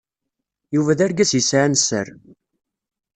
Yuba d argaz yesɛan sser.